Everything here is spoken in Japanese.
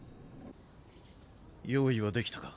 用意はできたか？